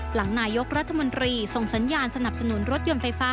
หลังนายกรัฐมนตรีส่งสัญญาณสนับสนุนรถยนต์ไฟฟ้า